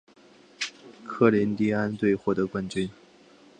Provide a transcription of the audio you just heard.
科林蒂安队获得冠军。